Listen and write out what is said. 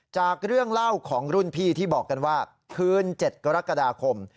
จากเรื่องเล่าของรุ่นพี่ที่บอกกันว่าคืน๗กรกฎาคม